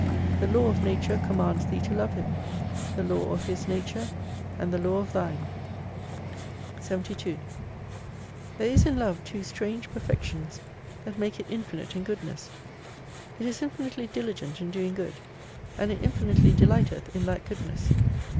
The law of Nature commands thee to Love Him : the Law of His nature, and the Law oi thine. 72 There is in love two strange perfections, that make it infinite in Goodness. It is infinitely diligent in doing good, and it infinitely delighteth in that Goodness.